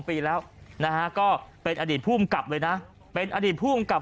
ปีแล้วนะฮะก็เป็นอดีตภูมิกับเลยนะเป็นอดีตผู้กำกับ